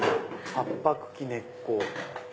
葉っぱ茎根っこ。